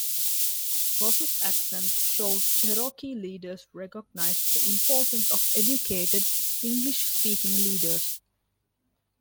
Ross's ascent showed Cherokee leaders recognized the importance of educated, English-speaking leaders.